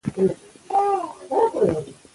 كه تاسي الله ته څه قرض ورکړئ په غوره قرض سره